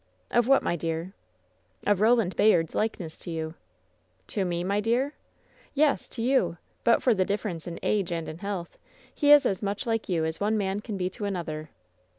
"Of what, my dear?" "Of Roland Bayard's likeness to you!" "To me, my dear?" "Yes, to you ! But for the difference in age and in health, he is as much like you as one man can be to an other!"